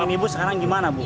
kalau ibu sekarang gimana bu